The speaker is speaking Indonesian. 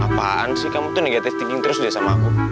apaan sih kamu tuh negative thinking terus deh sama aku